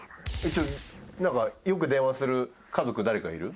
なんかよく電話する家族誰かいる？